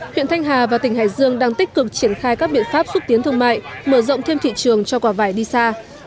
huyện thanh hà và tỉnh hải dương đang tích cực triển khai các biện pháp xúc tiến thương mại mở rộng thêm thị trường cho quả vải đi xa